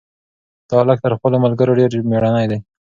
دا هلک تر خپلو ملګرو ډېر مېړنی دی.